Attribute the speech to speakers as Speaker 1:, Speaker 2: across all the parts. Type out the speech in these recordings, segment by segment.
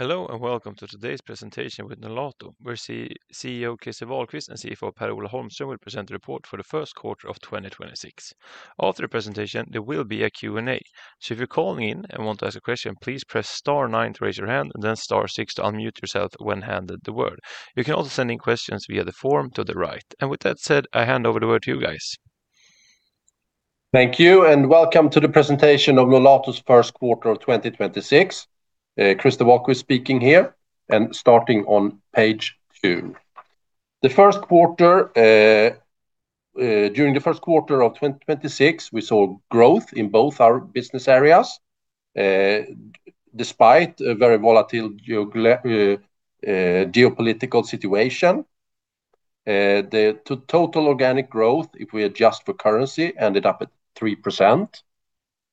Speaker 1: Hello, welcome to today's presentation with Nolato, where CEO Christer Wahlquist and CFO Per-Ola Holmström will present the report for the first quarter of 2026. After the presentation, there will be a Q&A, if you're calling in and want to ask a question, please press star nine to raise your hand then star six to unmute yourself when handed the word. You can also send in questions via the form to the right. With that said, I hand over the word to you guys.
Speaker 2: Thank you, and welcome to the presentation of Nolato's first quarter of 2026. Christer Wahlquist speaking here and starting on page two. During the first quarter of 2026, we saw growth in both our business areas, despite a very volatile geopolitical situation. The total organic growth, if we adjust for currency, ended up at 3%,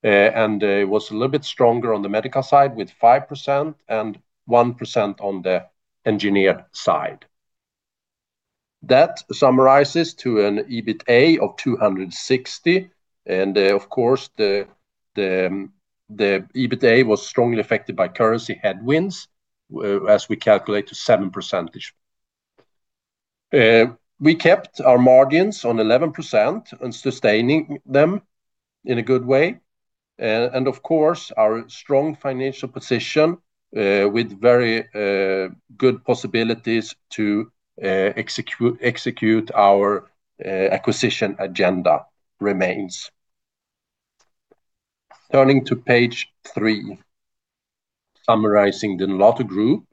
Speaker 2: and it was a little bit stronger on the medical side with 5% and 1% on the engineered side. That summarizes to an EBITA of 260 million. Of course, the EBITA was strongly affected by currency headwinds, as we calculate to 7%. We kept our margins on 11% and sustaining them in a good way. Of course, our strong financial position, with very good possibilities to execute our acquisition agenda remains. Turning to page three, summarizing the Nolato group.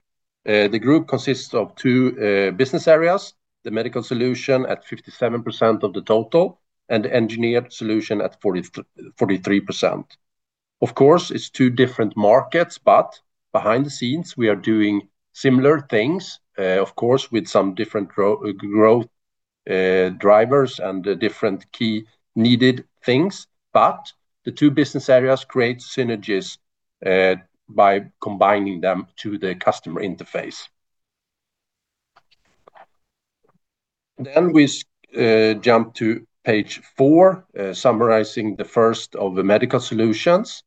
Speaker 2: The group consists of two business areas, the Medical Solutions at 57% of the total and the Engineered Solutions at 43%. Of course, it's two different markets, but behind the scenes we are doing similar things, of course, with some different growth drivers and different key needed things. The two business areas create synergies by combining them to the customer interface. We jump to page four, summarizing the first of the Medical Solutions.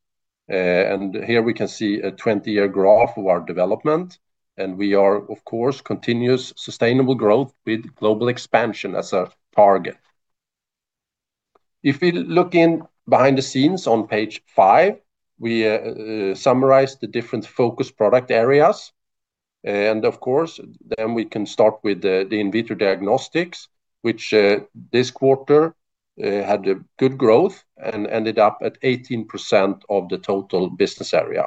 Speaker 2: Here we can see a 20-year graph of our development, and we are, of course, continuous sustainable growth with global expansion as a target. If you look in behind the scenes on page five, we summarize the different focus product areas. Of course, then we can start with the in vitro diagnostics, which this quarter had a good growth and ended up at 18% of the total business area.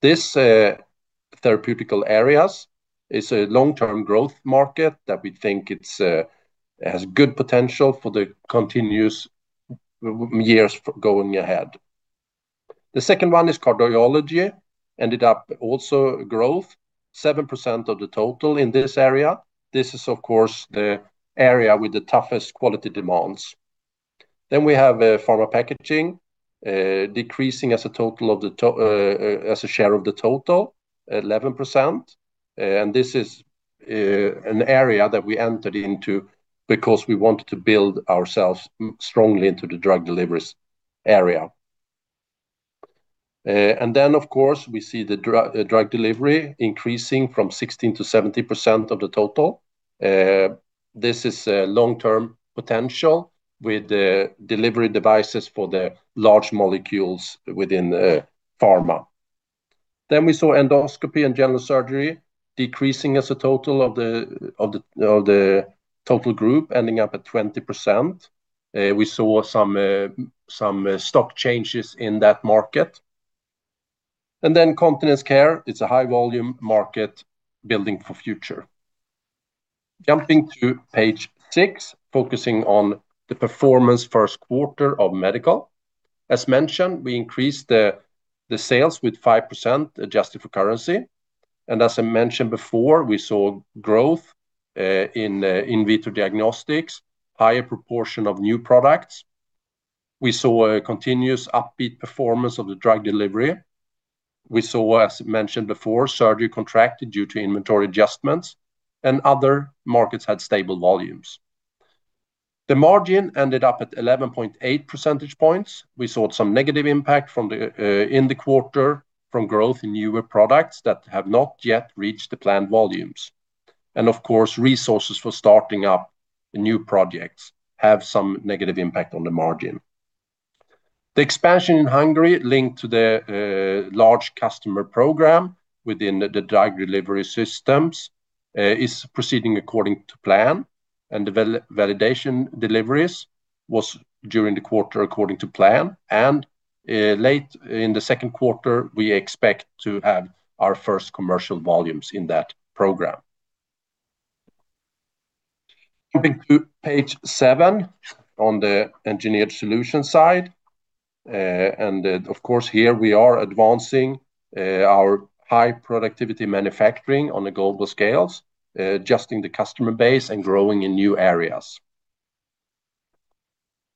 Speaker 2: This therapeutic areas is a long-term growth market that we think it's has good potential for the continuous years going ahead. The second one is cardiology, ended up also growth, 7% of the total in this area. This is, of course, the area with the toughest quality demands. We have pharma packaging, decreasing as a total of the as a share of the total, 11%. This is an area that we entered into because we wanted to build ourselves strongly into the drug deliveries area. Of course, we see the drug delivery increasing from 16%-70% of the total. This is a long-term potential with the delivery devices for the large molecules within pharma. We saw endoscopy and general surgery decreasing as a total of the total group, ending up at 20%. We saw some stock changes in that market. Continence care, it's a high volume market building for future. Jumping to page six, focusing on the performance first quarter of medical. As mentioned, we increased the sales with 5% adjusted for currency. As I mentioned before, we saw growth in in vitro diagnostics, higher proportion of new products. We saw a continuous upbeat performance of the drug delivery. We saw, as mentioned before, surgery contracted due to inventory adjustments, and other markets had stable volumes. The margin ended up at 11.8 percentage points. We saw some negative impact from the in the quarter from growth in newer products that have not yet reached the planned volumes. Of course, resources for starting up new projects have some negative impact on the margin. The expansion in Hungary linked to the large customer program within the drug delivery, is proceeding according to plan, and the validation deliveries was during the quarter according to plan. Late in the second quarter, we expect to have our first commercial volumes in that program. Jumping to page seven on the Engineered Solutions side. Of course, here we are advancing our high productivity manufacturing on a global scale, adjusting the customer base and growing in new areas.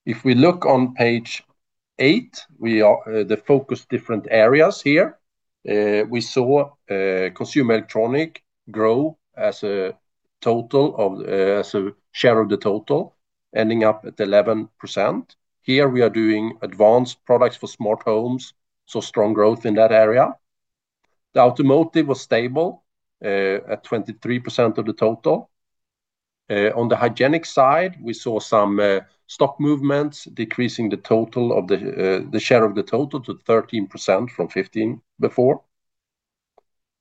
Speaker 2: If we look on page eight, we are the focus different areas here. We saw consumer electronics grow as total of so share of the total ending up at 11%. Here, we are doing advanced products for smart homes, so strong growth in that area. The automotive was stable at 23% of the total. On the hygienic side, we saw some stock movements decreasing the total of the share of the total to 13% from 15% before.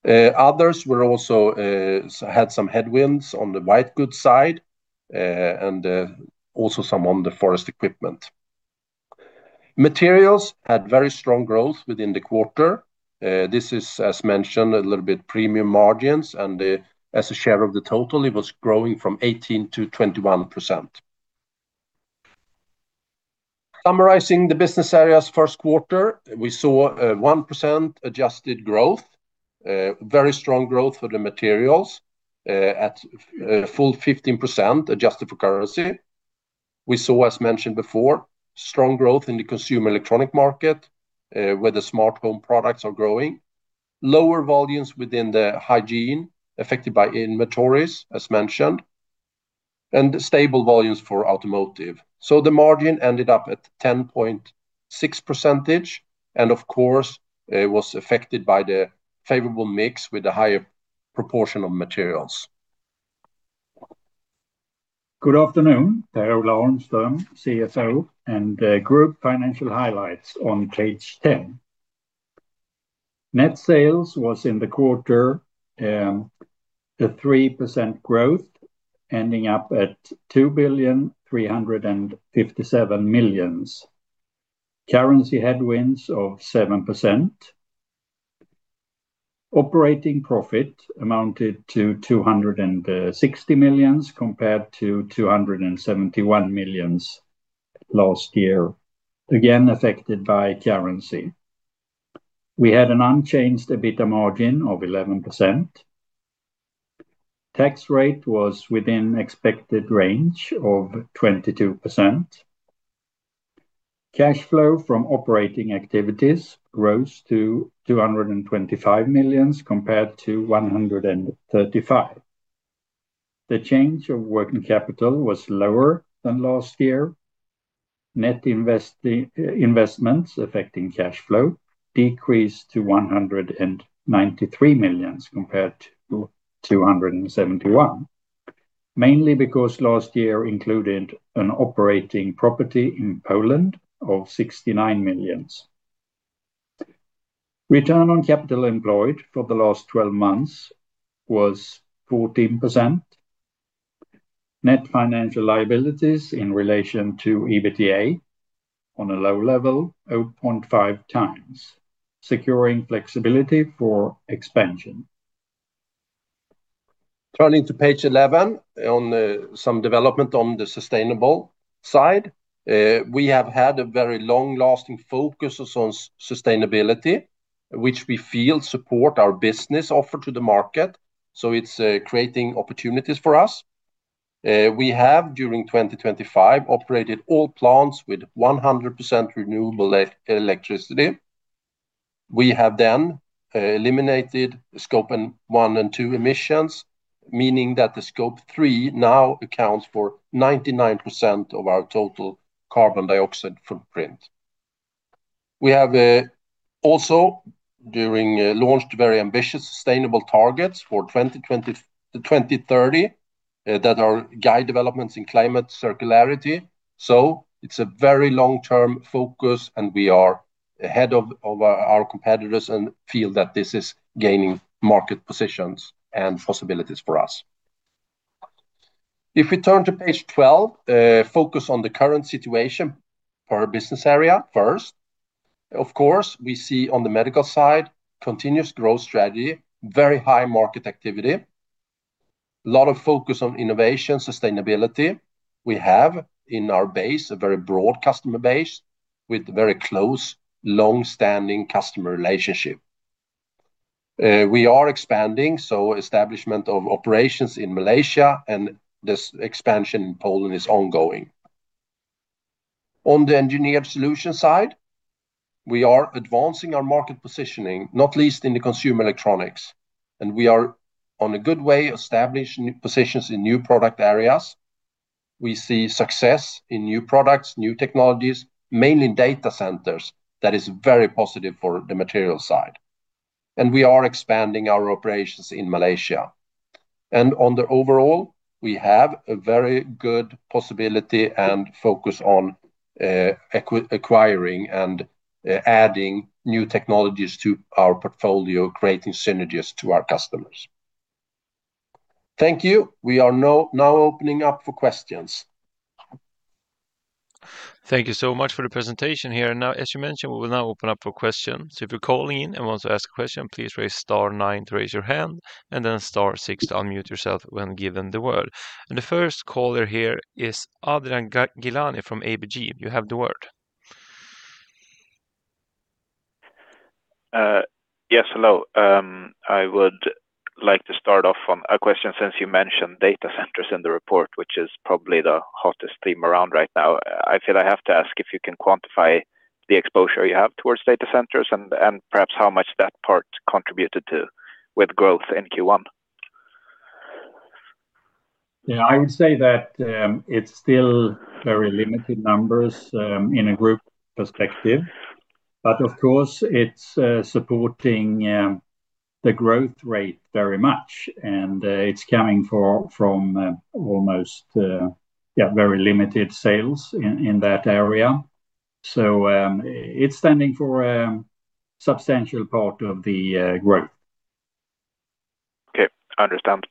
Speaker 2: Others were also had some headwinds on the white goods side, and also some on the forest equipment. Materials had very strong growth within the quarter. This is, as mentioned, a little bit premium margins, as a share of the total, it was growing from 18%-21%. Summarizing the business areas first quarter, we saw 1% adjusted growth, very strong growth for the materials, at full 15% adjusted for currency. We saw, as mentioned before, strong growth in the consumer electronics market, where the smartphone products are growing. Lower volumes within the hygiene, affected by inventories, as mentioned, and stable volumes for automotive. The margin ended up at 10.6%, and of course, it was affected by the favorable mix with a higher proportion of materials.
Speaker 3: Good afternoon. Per-Ola Holmström, CFO, and group financial highlights on page 10. Net sales was in the quarter a 3% growth, ending up at 2,357,000,000. Currency headwinds of 7%. Operating profit amounted to 260 million compared to 271 million last year, again affected by currency. We had an unchanged EBITDA margin of 11%. Tax rate was within expected range of 22%. Cash flow from operating activities rose to 225 million compared to 135 million. The change of working capital was lower than last year. Investments affecting cash flow decreased to 193 million compared to 271 million, mainly because last year included an operating property in Poland of 69 million. Return on capital employed for the last 12 months was 14%. Net financial liabilities in relation to EBITDA on a low level, 0.5x, securing flexibility for expansion. Turning to page 11 on some development on the sustainable side. We have had a very long-lasting focus on sustainability, which we feel support our business offer to the market, so it's creating opportunities for us. We have, during 2025, operated all plants with 100% renewable electricity. We have eliminated Scope one and two emissions, meaning that Scope three now accounts for 99% of our total carbon dioxide footprint. We have also, during, launched very ambitious sustainable targets for 2030 that are guide developments in climate circularity. It's a very long-term focus, and we are ahead of our competitors and feel that this is gaining market positions and possibilities for us. If we turn to page 12, focus on the current situation for our business area first. Of course, we see on the Medical Solutions side, continuous growth strategy, very high market activity, a lot of focus on innovation, sustainability. We have, in our base, a very broad customer base with very close, long-standing customer relationship. We are expanding, so establishment of operations in Malaysia and this expansion in Poland is ongoing. On the Engineered Solutions side, we are advancing our market positioning, not least in the consumer electronics, and we are on a good way establishing positions in new product areas. We see success in new products, new technologies, mainly in data centers that is very positive for the material side. We are expanding our operations in Malaysia. On the overall, we have a very good possibility and focus on acquiring and adding new technologies to our portfolio, creating synergies to our customers. Thank you. We are now opening up for questions.
Speaker 1: Thank you so much for the presentation here. As you mentioned, we will now open up for questions. If you're calling in and want to ask a question, please raise star nine to raise your hand and then star six to unmute yourself when given the word. The first caller here is Adrian Gilani from ABG. You have the word.
Speaker 4: Yes, hello. I would like to start off on a question since you mentioned data centers in the report, which is probably the hottest theme around right now. I feel I have to ask if you can quantify the exposure you have towards data centers and perhaps how much that part contributed to with growth in Q1.
Speaker 3: Yeah, I would say that it's still very limited numbers in a group perspective. Of course, it's supporting the growth rate very much, and it's coming from almost, yeah, very limited sales in that area. It's standing for substantial part of the growth.
Speaker 4: Okay. I understand.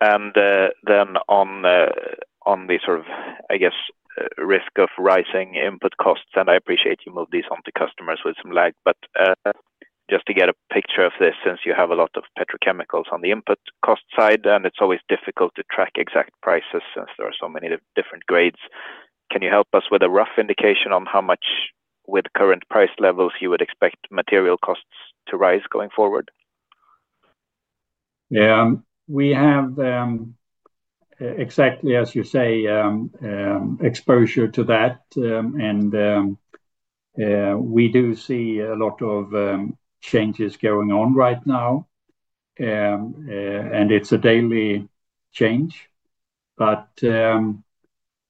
Speaker 4: Then on the, on the sort of, I guess, risk of rising input costs, I appreciate you move these onto customers with some lag. Just to get a picture of this, since you have a lot of petrochemicals on the input cost side, and it's always difficult to track exact prices since there are so many different grades. Can you help us with a rough indication on how much with current price levels you would expect material costs to rise going forward?
Speaker 3: Yeah. We have, exactly as you say, exposure to that. We do see a lot of changes going on right now. It's a daily change.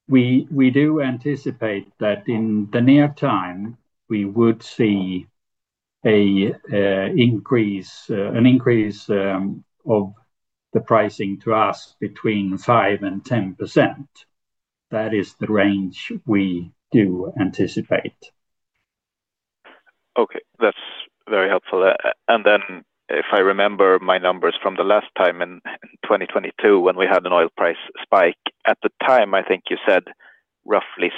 Speaker 3: We do anticipate that in the near time, we would see an increase of the pricing to us between 5% and 10%. That is the range we do anticipate.
Speaker 4: Okay. That's very helpful. Then if I remember my numbers from the last time in 2022 when we had an oil price spike, at the time, I think you said roughly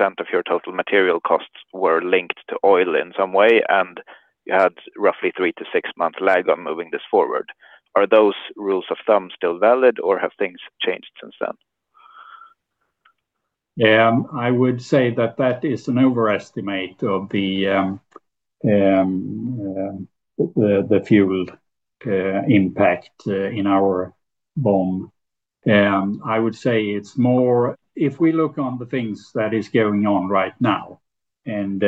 Speaker 4: 60% of your total material costs were linked to oil in some way, and you had roughly three to six months lag on moving this forward. Are those rules of thumb still valid or have things changed since then?
Speaker 3: I would say that that is an overestimate of the the fuel impact in our BOM. I would say it's more if we look on the things that is going on right now and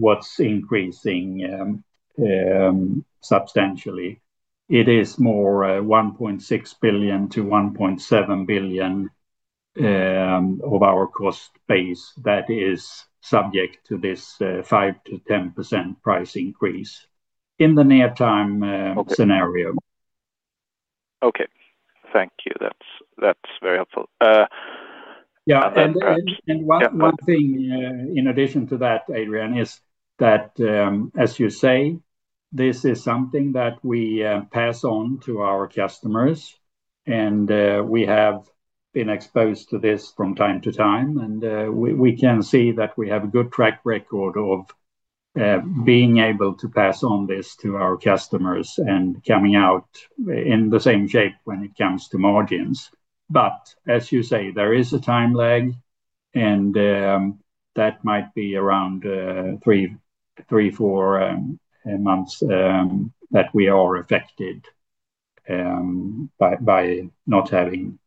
Speaker 3: what's increasing substantially, it is more 1.6 billion-1.7 billion of our cost base that is subject to this 5%-10% price increase in the near time scenario.
Speaker 4: Okay. Thank you. That's very helpful.
Speaker 3: Yeah. One thing, in addition to that, Adrian, is that, as you say, this is something that we pass on to our customers, and we have been exposed to this from time to time. We can see that we have a good track record of being able to pass on this to our customers and coming out in the same shape when it comes to margins. As you say, there is a time lag, and that might be around three months, four months that we are affected by not having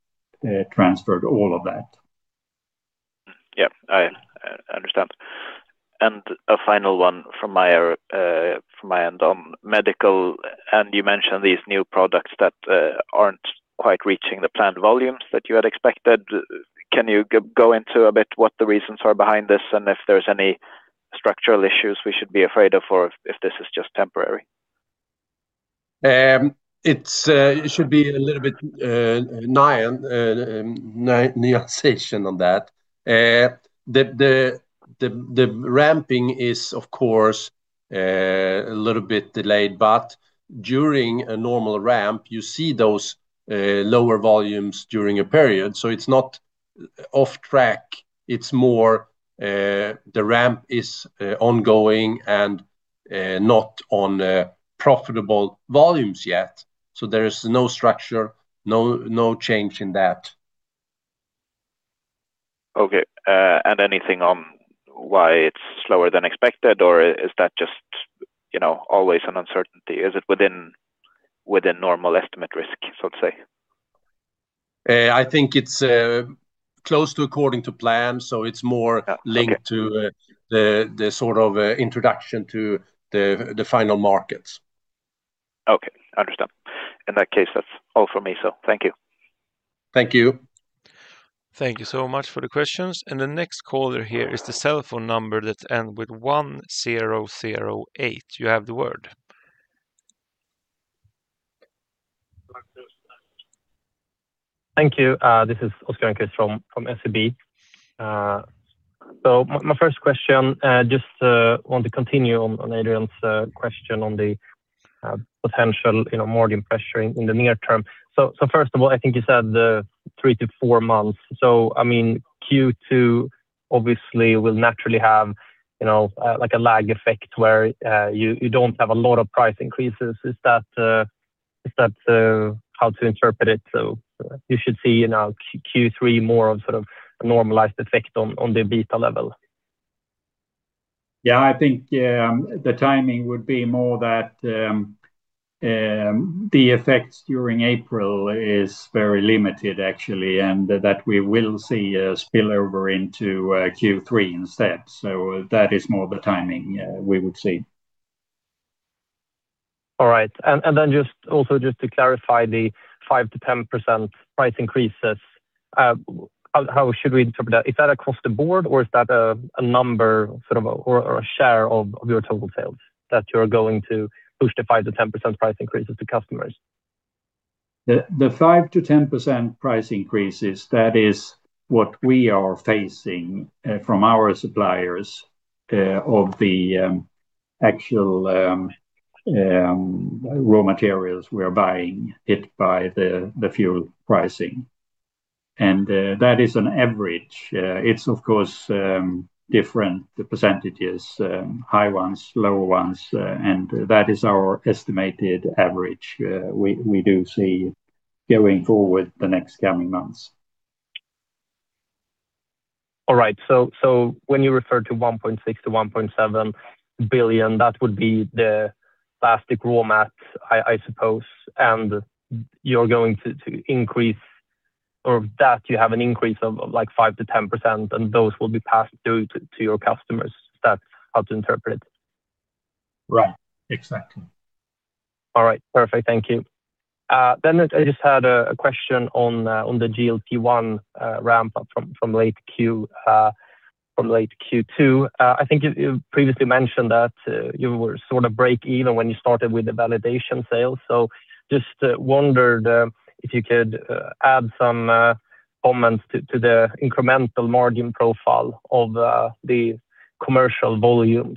Speaker 3: transferred all of that.
Speaker 4: Yeah. I understand. A final one from my end on medical, and you mentioned these new products that aren't quite reaching the planned volumes that you had expected. Can you go into a bit what the reasons are behind this and if there's any structural issues we should be afraid of, or if this is just temporary?
Speaker 2: It should be a little bit nuanciation on that. The ramping is, of course, a little bit delayed, but during a normal ramp, you see those lower volumes during a period. It's not off track. It's more, the ramp is ongoing and not on the profitable volumes yet. There is no structure, no change in that.
Speaker 4: Okay. Anything on why it's slower than expected, or is that just, you know, always an uncertainty? Is it within normal estimate risk, so to say?
Speaker 2: I think it's close to according to plan.
Speaker 4: Yeah. Okay
Speaker 2: So it's more linked to, the sort of, introduction to the final markets.
Speaker 4: Okay. Understand. In that case, that's all for me. Thank you.
Speaker 2: Thank you.
Speaker 1: Thank you so much for the questions. The next caller here is the cell phone number that end with one zero zero eight. You have the word.
Speaker 5: Thank you. This is Oscar Rönnkvist from SEB. My first question, just want to continue on Adrian's question on the potential, you know, margin pressure in the near term. First of all, I think you said three to four months. I mean, Q2 obviously will naturally have, you know, like a lag effect where you don't have a lot of price increases. Is that how to interpret it? You should see, you know, Q3 more of sort of a normalized effect on the EBITA level.
Speaker 3: Yeah, I think, the timing would be more that, the effects during April is very limited actually, and that we will see a spillover into Q3 instead. That is more the timing we would see.
Speaker 5: All right. Also just to clarify the 5%-10% price increases, how should we interpret that? Is that across the board or is that a number sort of or a share of your total sales that you're going to push the 5%-10% price increases to customers?
Speaker 3: The 5%-10% price increases, that is what we are facing from our suppliers of the actual raw materials we are buying it by the fuel pricing. That is an average. It's of course different percentages, high ones, lower ones. That is our estimated average we do see going forward the next coming months.
Speaker 5: When you refer to 1.6 billion-1.7 billion, that would be the plastic raw mats, I suppose, and you're going to increase or that you have an increase of like 5%-10%, and those will be passed through to your customers. Is that how to interpret?
Speaker 3: Right. Exactly.
Speaker 5: All right. Perfect. Thank you. I just had a question on the GLP-1 ramp up from late Q2. I think you previously mentioned that you were sort of break even when you started with the validation sales. Just wondered if you could add some comments to the incremental margin profile of the commercial volume.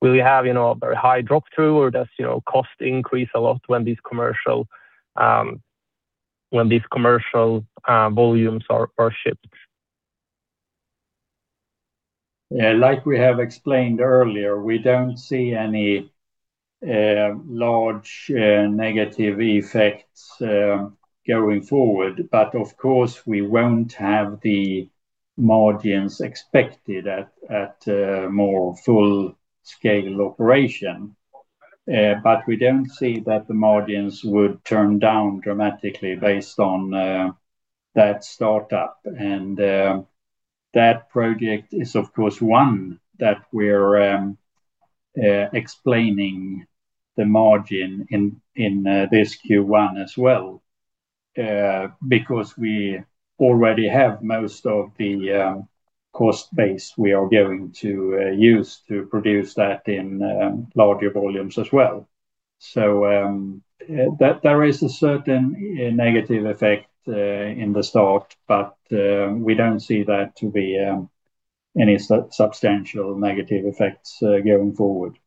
Speaker 5: Will you have, you know, a very high drop through or does, you know, cost increase a lot when these commercial volumes are shipped?
Speaker 3: Yeah, like we have explained earlier, we don't see any large negative effects going forward. Of course, we won't have the margins expected at more full scale operation. We don't see that the margins would turn down dramatically based on that startup. That project is of course, one that we're explaining the margin in this Q1 as well, because we already have most of the cost base we are going to use to produce that in larger volumes as well. There is a certain negative effect in the start, but we don't see that to be any substantial negative effects going forward.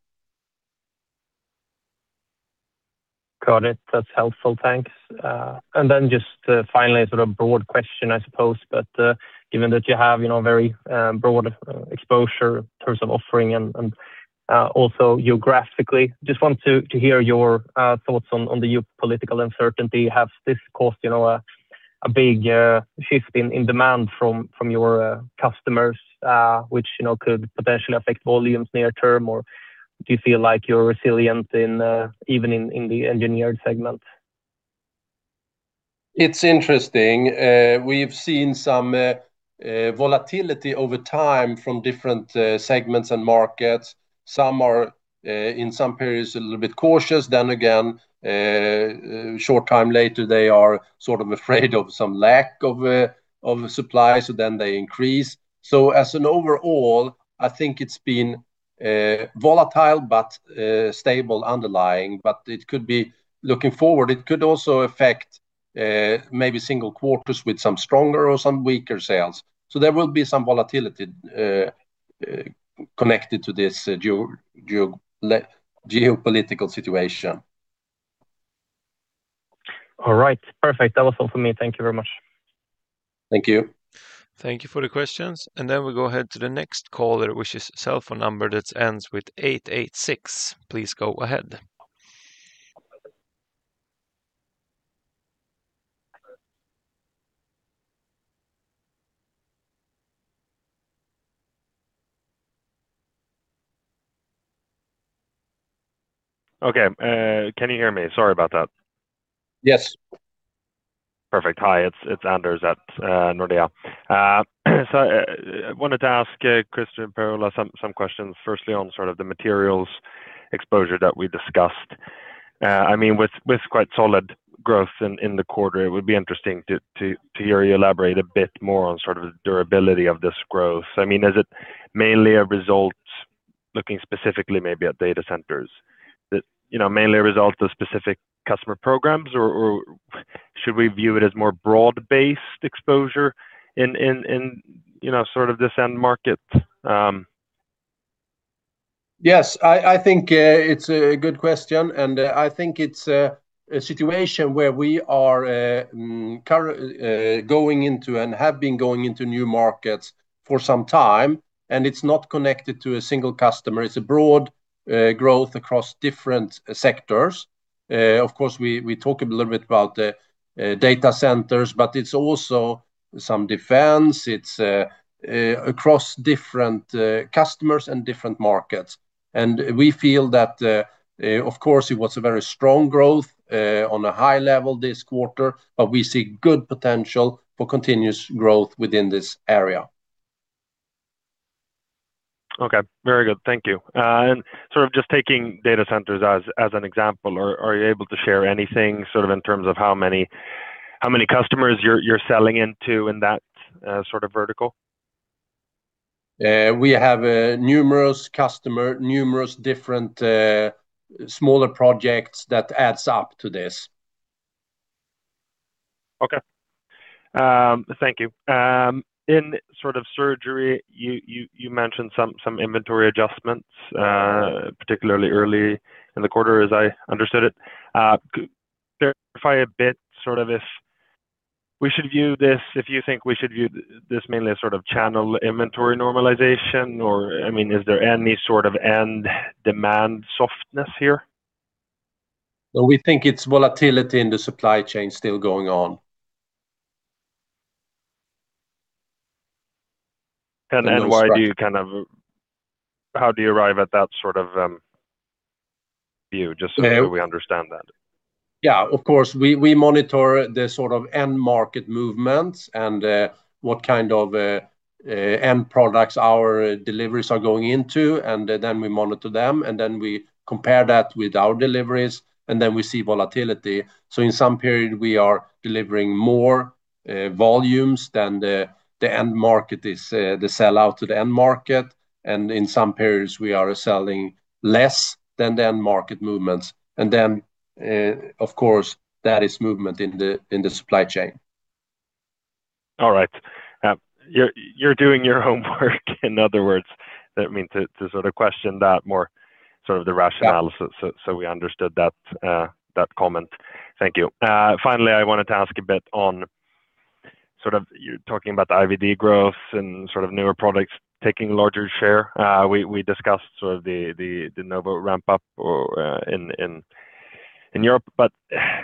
Speaker 5: Got it. That's helpful. Thanks. Just, finally, sort of broad question, I suppose, but, given that you have, you know, very broad exposure in terms of offering and, also geographically, just want to hear your thoughts on the geopolitical uncertainty. Has this caused, you know, a big shift in demand from your customers, which, you know, could potentially affect volumes near term? Or do you feel like you're resilient in even in the Engineered segment?
Speaker 3: It's interesting. We've seen some volatility over time from different segments and markets. Some are in some periods a little bit cautious. Short time later, they are sort of afraid of some lack of supply, they increase. As an overall, I think it's been volatile but stable underlying. Looking forward, it could also affect maybe single quarters with some stronger or some weaker sales. There will be some volatility connected to this geopolitical situation.
Speaker 5: All right. Perfect. That was all for me. Thank you very much.
Speaker 3: Thank you.
Speaker 1: Thank you for the questions. We go ahead to the next caller, which is cell phone number that ends with eight eight six. Please go ahead.
Speaker 6: Okay. Can you hear me? Sorry about that.
Speaker 3: Yes.
Speaker 6: Perfect. Hi. It's Anders at Nordea. I wanted to ask Christer, Per-Ola some questions. Firstly, on sort of the materials exposure that we discussed. I mean, with quite solid growth in the quarter, it would be interesting to hear you elaborate a bit more on sort of the durability of this growth. I mean, is it mainly a result looking specifically maybe at data centers that, you know, mainly a result of specific customer programs or should we view it as more broad-based exposure in, you know, sort of this end market?
Speaker 3: Yes. I think it's a good question, and I think it's a situation where we are going into and have been going into new markets for some time, and it's not connected to a single customer. It's a broad growth across different sectors. Of course, we talked a little bit about data centers, but it's also. Some defense, it's across different customers and different markets. We feel that, of course, it was a very strong growth on a high level this quarter, but we see good potential for continuous growth within this area.
Speaker 6: Okay. Very good. Thank you. Sort of just taking data centers as an example, are you able to share anything sort of in terms of how many customers you're selling into in that sort of vertical?
Speaker 3: We have numerous customer, numerous different smaller projects that adds up to this.
Speaker 6: Okay. Thank you. In sort of surgery, you mentioned some inventory adjustments, particularly early in the quarter, as I understood it. Verify a bit sort of if we should view this, if you think we should view this mainly as sort of channel inventory normalization or, I mean, is there any sort of end demand softness here?
Speaker 3: Well, we think it's volatility in the supply chain still going on.
Speaker 6: Why do you how do you arrive at that sort of view? Just so we understand that.
Speaker 3: Yeah, of course, we monitor the sort of end market movements and what kind of end products our deliveries are going into, and then we monitor them, and then we compare that with our deliveries, and then we see volatility. In some period, we are delivering more volumes than the end market is the sell out to the end market. In some periods, we are selling less than the end market movements. Then, of course, that is movement in the, in the supply chain.
Speaker 6: All right. You're doing your homework, in other words. I mean, to sort of question that more, sort of the rationale.
Speaker 3: Yeah.
Speaker 6: We understood that comment. Thank you. Finally, I wanted to ask a bit on sort of you talking about the IVD growth and sort of newer products taking larger share. We discussed sort of the Novo ramp up in Europe, but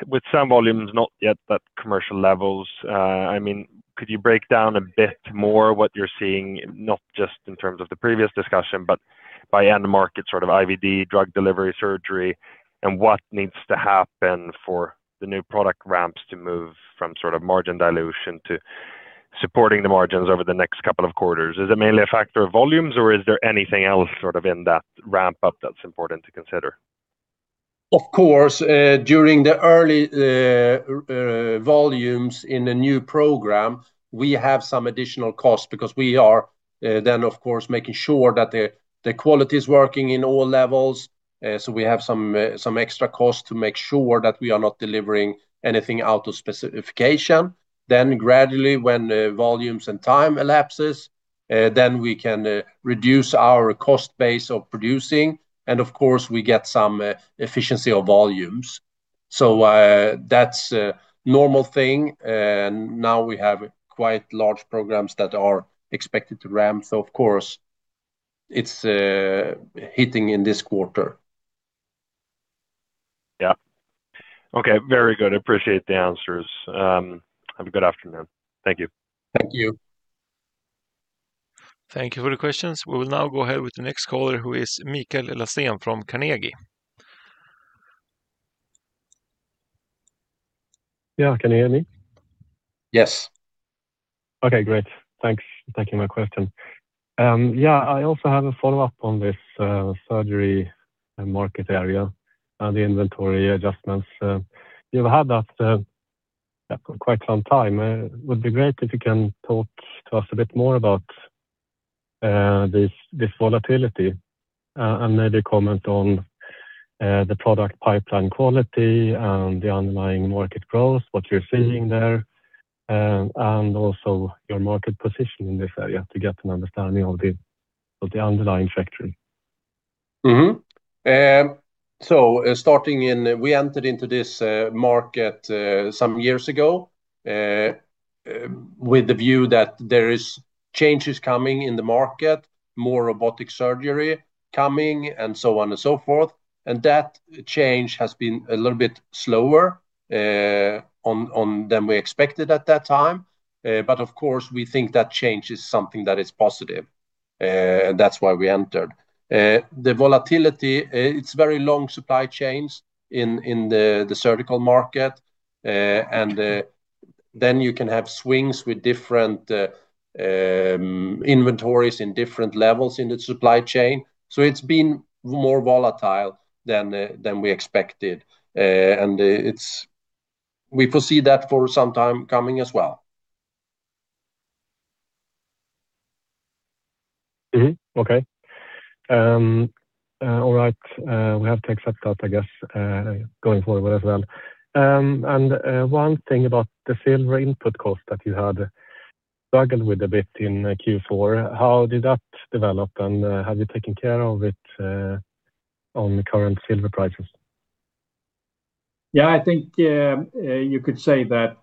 Speaker 6: with some volumes not yet at commercial levels. I mean, could you break down a bit more what you're seeing, not just in terms of the previous discussion, but by end market sort of IVD, drug delivery, surgery, and what needs to happen for the new product ramps to move from sort of margin dilution to supporting the margins over the next couple of quarters? Is it mainly a factor of volumes, or is there anything else sort of in that ramp up that's important to consider?
Speaker 3: Of course, during the early volumes in the new program, we have some additional costs because we are then of course, making sure that the quality is working in all levels. We have some extra costs to make sure that we are not delivering anything out of specification. Gradually, when volumes and time elapses, then we can reduce our cost base of producing. Of course, we get some efficiency of volumes. That's a normal thing. Now we have quite large programs that are expected to ramp. Of course, it's hitting in this quarter.
Speaker 6: Okay. Very good. I appreciate the answers. Have a good afternoon. Thank you.
Speaker 3: Thank you.
Speaker 1: Thank you for the questions. We will now go ahead with the next caller, who is Mikael Laséen from Carnegie.
Speaker 7: Yeah. Can you hear me?
Speaker 2: Yes.
Speaker 7: Okay, great. Thanks for taking my question. Yeah, I also have a follow-up on this surgery market area, the inventory adjustments. You've had that quite some time. Would be great if you can talk to us a bit more about this volatility, and maybe comment on the product pipeline quality and the underlying market growth, what you're seeing there, and also your market position in this area to get an understanding of the, of the underlying factory.
Speaker 2: Starting in, we entered into this market some years ago with the view that there is changes coming in the market, more robotic surgery coming, and so on and so forth. That change has been a little bit slower on than we expected at that time. Of course, we think that change is something that is positive. That's why we entered. The volatility, it's very long supply chains in the surgical market. Then you can have swings with different inventories in different levels in the supply chain. It's been more volatile than we expected. We foresee that for some time coming as well.
Speaker 7: Okay. All right. We have to accept that, I guess, going forward as well. One thing about the silver input cost that you had struggled with a bit in Q4, how did that develop, and have you taken care of it on the current silver prices?
Speaker 2: Yeah, I think, you could say that,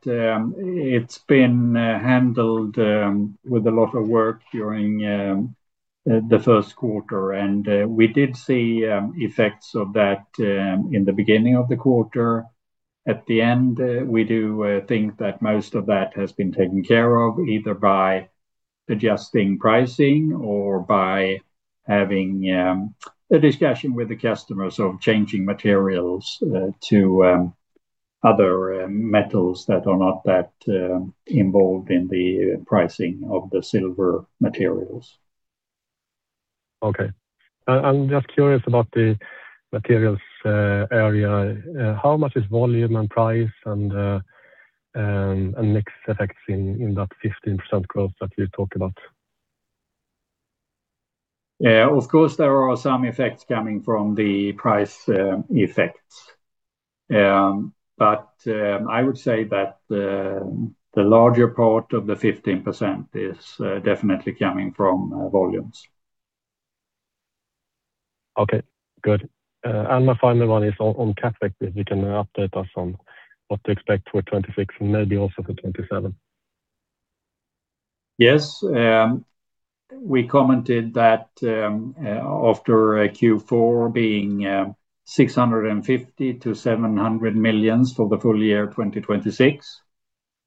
Speaker 2: it's been handled with a lot of work during the first quarter. We did see effects of that in the beginning of the quarter. At the end, we do think that most of that has been taken care of either by adjusting pricing or by having a discussion with the customers of changing materials to other metals that are not that involved in the pricing of the silver materials.
Speaker 7: Okay. I'm just curious about the materials area. How much is volume and price and mix effects in that 15% growth that you talked about?
Speaker 3: Yeah, of course, there are some effects coming from the price effects. I would say that the larger part of the 15% is definitely coming from volumes.
Speaker 7: Okay, good. My final one is on CapEx. If you can update us on what to expect for 2026 and maybe also for 2027.
Speaker 3: Yes. We commented that after Q4 being 650 million-700 million for the full year 2026.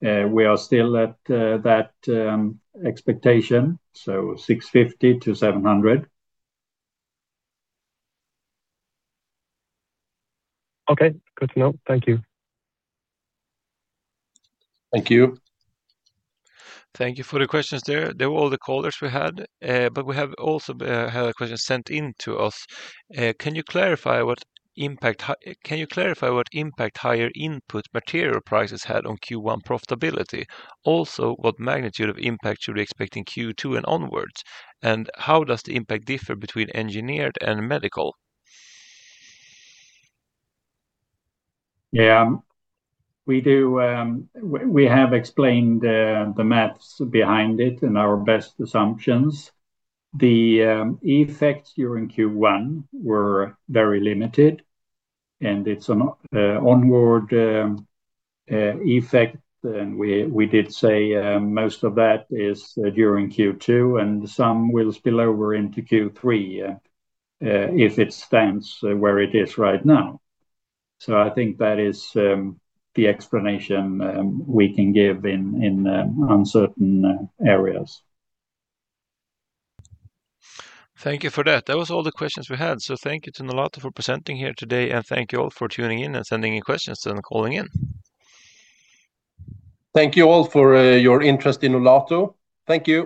Speaker 3: We are still at that expectation, so 650 million-700 million.
Speaker 7: Okay. Good to know. Thank you.
Speaker 3: Thank you.
Speaker 1: Thank you for the questions there. They were all the callers we had. We have also had a question sent into us. Can you clarify what impact higher input material prices had on Q1 profitability? What magnitude of impact should we expect in Q2 and onwards? How does the impact differ between engineered and medical?
Speaker 3: Yeah. We have explained the math behind it and our best assumptions. The effects during Q1 were very limited, and it's an onward effect. We did say most of that is during Q2, and some will spill over into Q3 if it stands where it is right now. I think that is the explanation we can give in uncertain areas.
Speaker 1: Thank you for that. That was all the questions we had. Thank you to Nolato for presenting here today, and thank you all for tuning in and sending in questions and calling in.
Speaker 2: Thank you all for your interest in Nolato. Thank you.